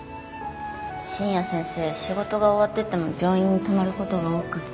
深夜先生仕事が終わってても病院に泊まる事が多くて。